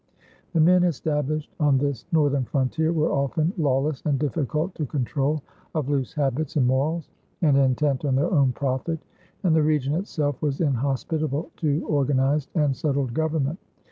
The men established on this northern frontier were often lawless and difficult to control, of loose habits and morals, and intent on their own profit; and the region itself was inhospitable to organized and settled government.